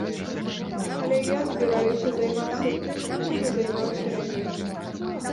Але я збіраюся займацца тым, чым і займаўся раней.